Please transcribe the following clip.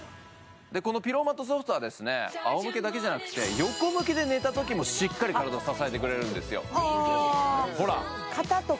このピローマットＳｏｆｔはですねあおむけだけじゃなくて横向きで寝たときもしっかり体を支えてくれるんですよああ